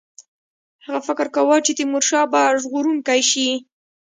هغه فکر کاوه چې تیمورشاه به ژغورونکی شي.